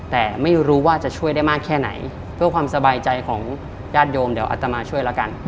แต่ไม่รู้ว่าจะช่วยได้มากแค่ไหนเพื่อความสบายใจของญาติโยมเดี๋ยวอัตมาช่วยแล้วกัน